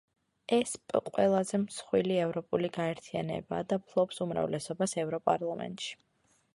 ესპ ყველაზე მსხვილი ევროპული გაერთიანებაა და ფლობს უმრავლესობას ევროპარლამენტში.